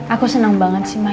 aku seneng banget sih